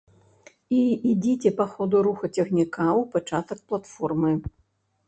І ідзіце па ходу руху цягніка ў пачатак платформы.